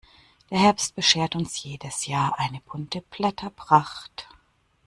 Der Herbst beschert uns jedes Jahr eine bunte Blätterpracht.